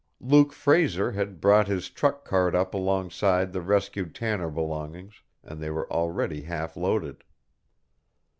Luke Fraser had brought his truck cart up alongside the rescued Tanner belongings, and they were already half loaded.